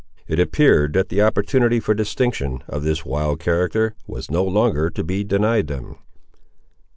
It appeared that the opportunity for distinction, of this wild character, was no longer to be denied them.